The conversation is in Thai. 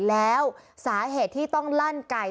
แล้วสาเหตุที่ต้องลั่นไก่